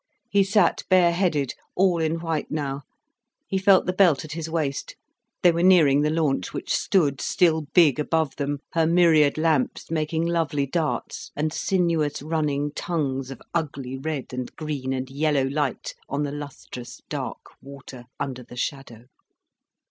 He sat bare headed, all in white now. He felt the belt at his waist. They were nearing the launch, which stood still big above them, her myriad lamps making lovely darts, and sinuous running tongues of ugly red and green and yellow light on the lustrous dark water, under the shadow.